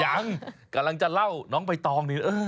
ยังกำลังจะเล่าน้องใบตองนี่